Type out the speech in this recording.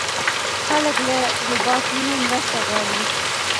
خلک له روباټونو مرسته غواړي.